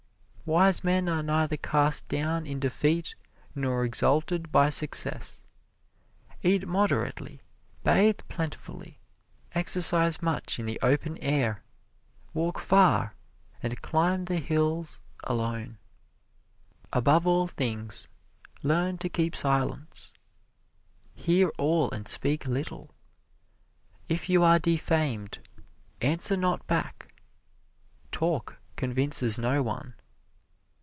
Wise men are neither cast down in defeat nor exalted by success. Eat moderately, bathe plentifully, exercise much in the open air, walk far, and climb the hills alone. Above all things, learn to keep silence hear all and speak little. If you are defamed, answer not back. Talk convinces no one.